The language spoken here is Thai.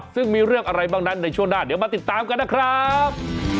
ซึ่งมีเรื่องอะไรบ้างนั้นในช่วงหน้าเดี๋ยวมาติดตามกันนะครับ